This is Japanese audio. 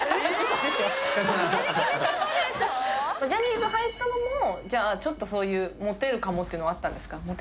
ジャニーズ入ったのもじゃあちょっとそういうモテるかもっていうのはあったんですか？